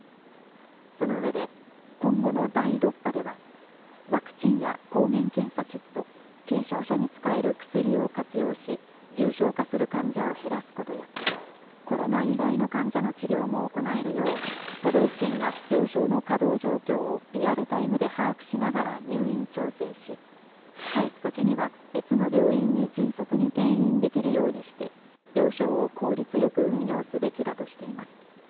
その上で、今後の第６波では、ワクチンや抗原検査キット、軽症者に使える薬を活用し、重症化する患者を減らすことや、コロナ以外の患者の治療も行えるよう、都道府県が病床の稼働状況をリアルタイムで把握しながら入院調整し、回復期には別の病院に迅速に転院できるようにして、病床を効率よく運用すべきだとしています。